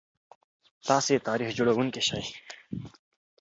تاسي تاریخ جوړونکي شئ.